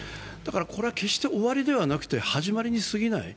これは決して終わりではなくて始まりにすぎない。